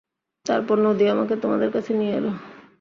তারপর নদী আমাকে তোমাদের কাছে নিয়ে এলো।